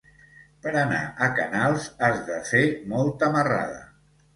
Per anar a Canals has de fer molta marrada.